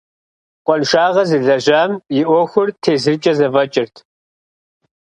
Къуаншагъэ зылэжьам и ӏуэхур тезыркӏэ зэфӏэкӏырт.